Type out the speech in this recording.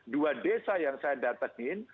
dua desa yang saya datengin